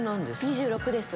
２６です。